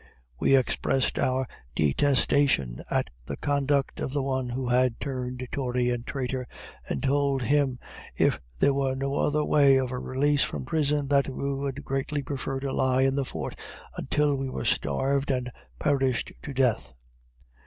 We expressed our detestation at the conduct of the one who had turned tory and traitor, and told him if there was no other way of a release from prison, that we would greatly prefer to lie in the fort until we were starved and perished to death.